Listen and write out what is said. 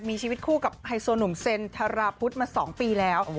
มีชีวิตคู่กับไฮโซหนุ่มเซ็นธาราพุทธมา๒ปีแล้ว